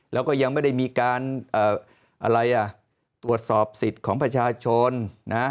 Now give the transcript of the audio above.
แล้วก็ยังไม่ได้มีการอะไรอ่ะตรวจสอบสิทธิ์ของประชาชนนะ